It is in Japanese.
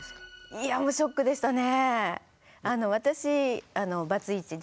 いやもうショックでしたね。